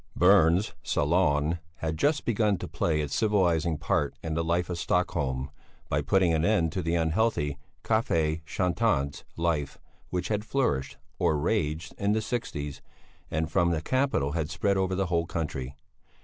Berns' "Salon" had just begun to play its civilizing part in the life of Stockholm by putting an end to the unhealthy café chantants life which had flourished or raged in the sixties, and from the capital had spread over the whole country.